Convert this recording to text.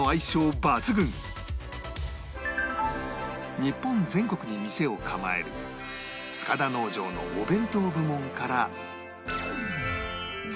日本全国に店を構える塚田農場のお弁当部門から